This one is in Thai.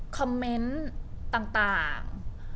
คอมเมนต์ต่าง